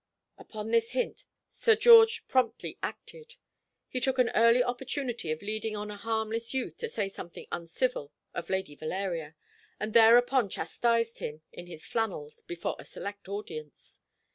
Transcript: Upon this hint Sir George promptly acted. He took an early opportunity of leading on a harmless youth to say something uncivil of Lady Valeria, and thereupon chastised him in his flannels before a select audience.